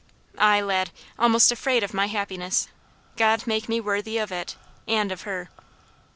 "Ay, lad, almost afraid of my happiness. God make me worthy of it, and of her!"